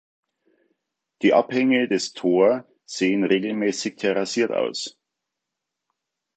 Die Abhänge des Tor sehen regelmäßig terrassiert aus.